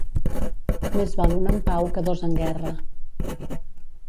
Més val un en pau, que dos en guerra.